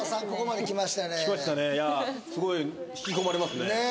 ここまで来ました来ましたね